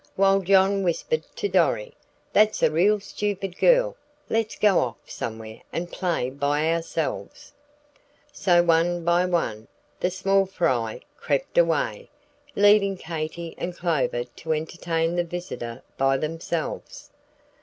While John whispered to Dorry, "That's a real stupid girl. Let's go off somewhere and play by ourselves." So, one by one, the small fry crept away, leaving Katy and Clover to entertain the visitor by themselves.